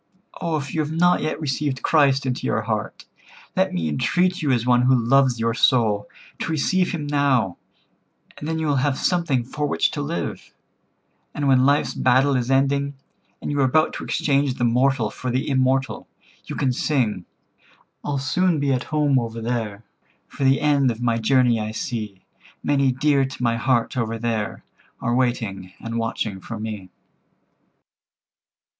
"Oh, if you have not yet received Christ into your heart, let me entreat you as one who loves your soul, to receive Him now; and then you will have something for which to live, and when life's battle is ending, and you are about to exchange the mortal for the immortal, you can sing— 'I'll soon be at home over there, For the end of my journey I see; Many dear to my heart over there Are waiting and watching for me.'"